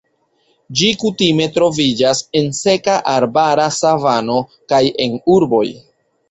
Ĝi kutime troviĝas en seka arbara savano kaj en urboj.